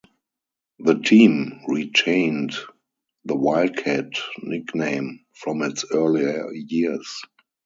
The team retained the Wildcat nickname from its earlier years.